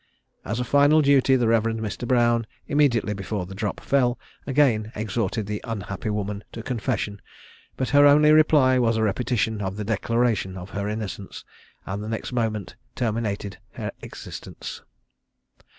As a final duty, the Rev. Mr. Brown, immediately before the drop fell, again exhorted the unhappy woman to confession, but her only reply was a repetition of the declaration of her innocence, and the next moment terminated her existence.